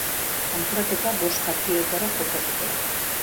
Kanporaketa bost partidetara jokatuko da.